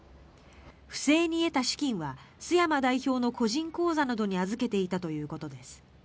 不正に得た資金は須山代表の個人口座などに預けていたということです。